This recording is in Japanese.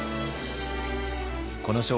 この勝利